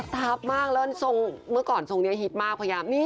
ดรับมากแล้วเมื่อก่อนทรงนี้ฮิตมากพยายาม